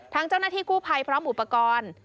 เจ้าหน้าที่กู้ภัยพร้อมอุปกรณ์